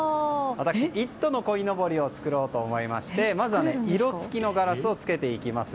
私、「イット！」のこいのぼりを作ろうと思いましてまずは色付きのガラスをつけていきます。